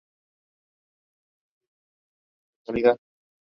The bath consists of several rooms and two octagonal halls.